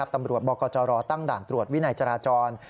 ตำรวจบกจรตั้งด่านตรวจวินัยจราจร